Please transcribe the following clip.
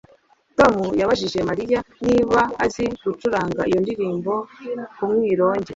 Tom yabajije Mariya niba azi gucuranga iyo ndirimbo ku mwironge